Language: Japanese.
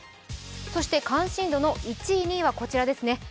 関心度の１位、２位はこちらですね。